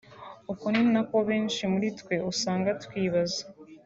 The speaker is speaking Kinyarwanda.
uko ni nako benshi muri twe usanga twibaza